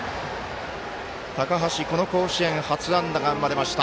高橋、この甲子園初安打が生まれました。